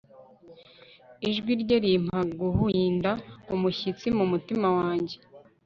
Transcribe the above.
Ijwi rye rimpa guhinda umushyitsi mu mutima wanjye